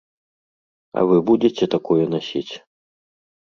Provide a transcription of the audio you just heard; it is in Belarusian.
А вы будзеце такое насіць?